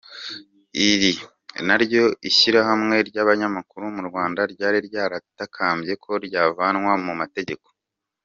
Iri naryo ishyirahamwe ry'abanyamakuru mu Rwanda ryari ryaratakambye ko ryavanwa mu mategeko.